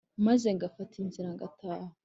Maze ngafata inzira ngataha